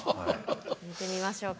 見てみましょうか。